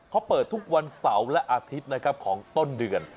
เขาเปิดทุกวันเสาร์และอาทิตย์นะครับของต้นเดือน